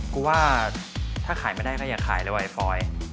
กูว่าถ้าขายไม่ได้ก็อย่าขายเลยไวฟอย